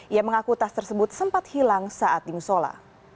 ia mengaku tas tersebut sempat hilang saat di musola